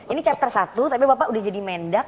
ini chapter satu tapi bapak udah jadi mendak